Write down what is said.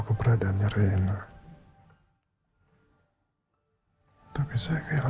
gak akan aku lepasin aku